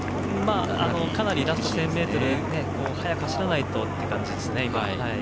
かなりラスト１０００ｍを速く走らないとという感じです。